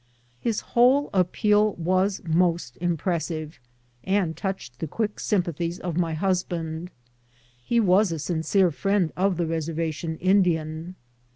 His whole appeal was most impressive, and touched the quick sympathies of my husband. He was a sincere friend of the reservation Indian.